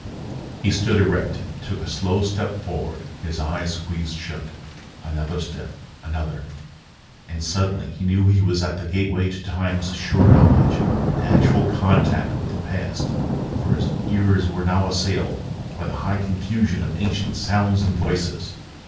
He stood erect, took a slow step forward, his eyes squeezed shut. Another step, another and suddenly he knew he was at the gateway to Time's sure knowledge, in actual contact with the past for his ears were now assailed by the high confusion of ancient sounds and voices!